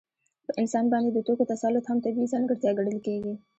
په انسان باندې د توکو تسلط هم طبیعي ځانګړتیا ګڼل کېږي